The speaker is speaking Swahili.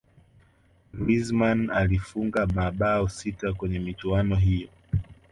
griezmann alifunga mabao sita kwenye michuano hiyo